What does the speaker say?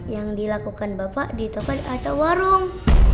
yang dilakukan bapak di toko atau warung